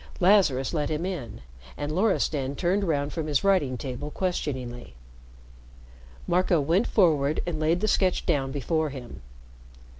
Lazarus let him in, and Loristan turned round from his writing table questioningly. Marco went forward and laid the sketch down before him.